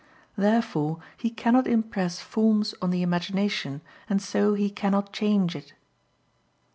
Therefore he cannot impress forms on the imagination, and so he cannot change it.